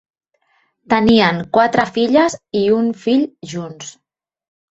Tenien quatre filles i un fill junts.